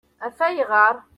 Af ayɣeṛ?